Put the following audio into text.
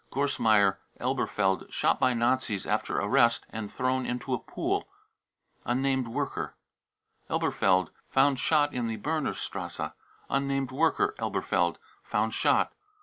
gorsmeier, Elberfeld, shot by Nazis after arrest and thrown into a pool, unnamed worker, Elberfeld, found shot in the Bremerstrasse. unnamed worker, Elberfeld, found shot.